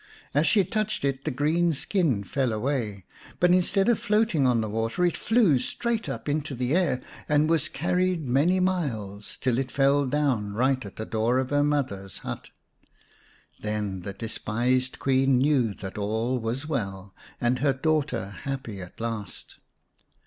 As she touched it the green skin fell away, but instead of floating on the water it flew straight up into the air, and was carried many miles, till it fell down right at the door of her mother's hut. Then the despised Queen knew that all was well, and her daughter happy at last.